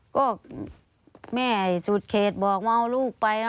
ก็แม่สูตรเขตบอกว่าเอาลูกไป